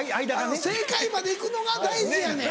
正解まで行くのが大事やねん。